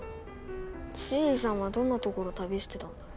シエリさんはどんな所旅してたんだろ。